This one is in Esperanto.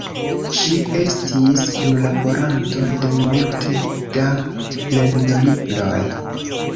Ŝi estis kunlaboranto de multe da lernolibroj.